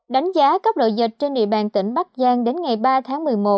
đánh giá cấp độ dịch trên địa bàn tỉnh bắc giang đến ngày ba tháng một mươi một